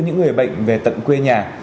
những người bệnh về tận quê nhà